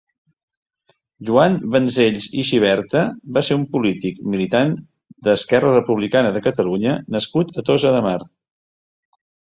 Joan Bancells i Xiberta va ser un polític, militant d'ERC nascut a Tossa de Mar.